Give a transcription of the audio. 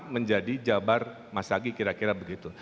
menjadi jabar masagi kira kira begitu